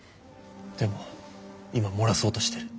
でも今漏らそうとしてる。